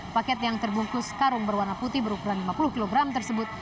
paket yang terbungkus karung berwarna putih berukuran lima puluh kg tersebut